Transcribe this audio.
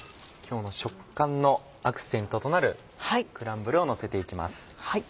今日の食感のアクセントとなるクランブルをのせて行きます。